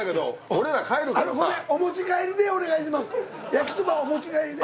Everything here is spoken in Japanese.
焼きそばお持ち帰りで。